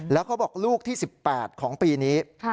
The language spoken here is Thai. แล้วเขาบอกลูกที่๑๘ของปีนี้